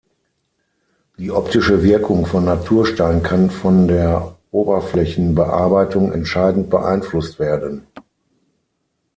Die optische Wirkung von Naturstein kann von der Oberflächenbearbeitung entscheidend beeinflusst werden.